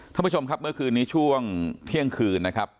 ท่านผู้ชมครับเมื่อคืนนี้ช่วงเที่ยงคืนนะครับ